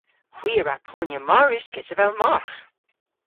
Hwi a wra ponya mar uskis avel margh!